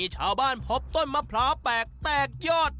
ชาวบ้านพบต้นมะพร้าวแปลกแตกยอด